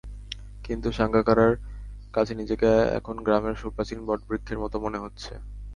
কিন্তু সাঙ্গাকারার কাছে নিজেকে এখন গ্রামের সুপ্রাচীন বটবৃক্ষের মতো মনে হচ্ছে।